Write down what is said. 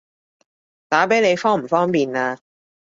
打畀你方唔方便啊？